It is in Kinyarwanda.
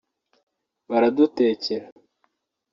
baradutekera